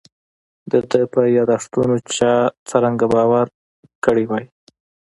د ده په یاداشتونو چا څرنګه باور کړی.